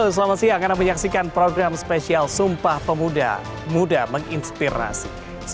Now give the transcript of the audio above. halo selamat siang anda menyaksikan program spesial sumpah pemuda muda menginspirasi